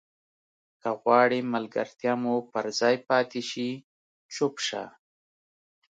که غواړې ملګرتیا مو پر ځای پاتې شي چوپ شه.